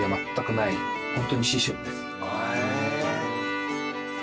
へえ！